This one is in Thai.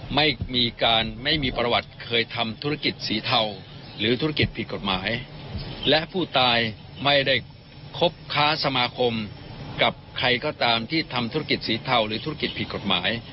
ไม่มีการไม่มีประวัติเคยทำธุรกิจสีเทาหรือธุรกิจผิดกฎหมายและผู้ตายไม่ได้คบค้าสมาคมกับใครก็ตามที่ทำธุรกิจสีเทาหรือธุรกิจผิดกฎหมาย